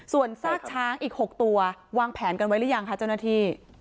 ส่วนซากช้างอีก๖ตัววางแผนกันไว้หรือยังคะเจ้าหน้าที่